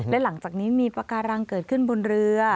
และหลังจากนี้มีปากการังเกิดขึ้นบนเรือ